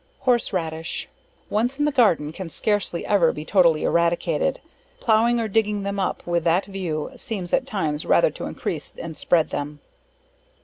Horse Raddish, once in the garden, can scarcely ever be totally eradicated; plowing or digging them up with that view, seems at times rather to increase and spread them.